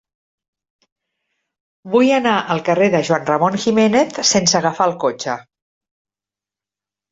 Vull anar al carrer de Juan Ramón Jiménez sense agafar el cotxe.